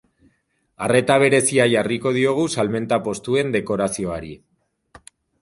Arreta berezia jarriko diogu salmenta postuen dekorazioari.